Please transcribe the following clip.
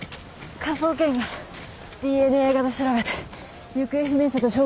科捜研がＤＮＡ型調べて行方不明者と照合してるから。